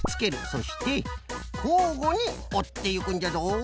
そしてこうごにおっていくんじゃぞ。